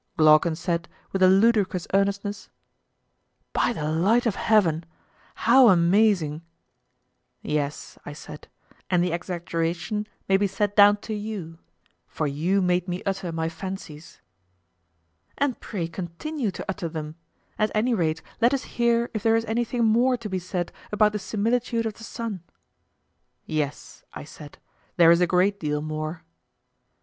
Glaucon said, with a ludicrous earnestness: By the light of heaven, how amazing! Yes, I said, and the exaggeration may be set down to you; for you made me utter my fancies. And pray continue to utter them; at any rate let us hear if there is anything more to be said about the similitude of the sun. Yes, I said, there is a great deal more.